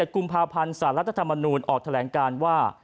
กุมภาพันธ์สารรัฐธรรมนูญออกแถลงการว่า